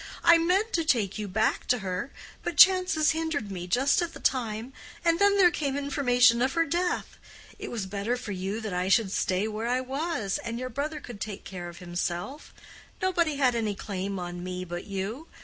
"I meant to take you back to her, but chances hindered me just at the time, and then there came information of her death. It was better for you that I should stay where I was, and your brother could take care of himself. Nobody had any claim on me but you.